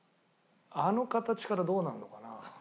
あの形からどうなるのかな？